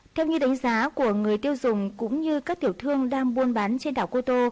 theo như đánh giá của người tiêu dùng cũng như các tiểu thương đang buôn bán trên đảo cô tô